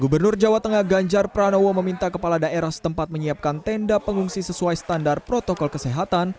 gubernur jawa tengah ganjar pranowo meminta kepala daerah setempat menyiapkan tenda pengungsi sesuai standar protokol kesehatan